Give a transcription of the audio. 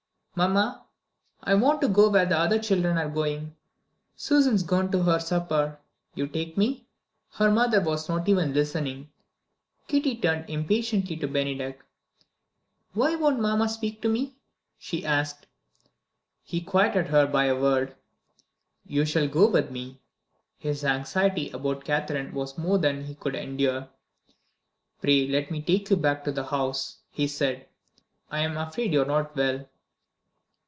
"Mamma, I want to go where the other children are going. Susan's gone to her supper. You take me." Her mother was not even listening. Kitty turned impatiently to Bennydeck. "Why won't mamma speak to me?" she asked. He quieted her by a word. "You shall go with me." His anxiety about Catherine was more than he could endure. "Pray let me take you back to the house," he said. "I am afraid you are not well."